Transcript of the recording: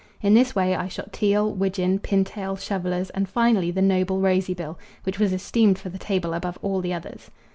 In this way I shot teal, widgeon, pintail, shovellers, and finally the noble rosy bill, which was esteemed for the table above all the others.